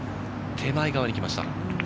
手前側に来ました。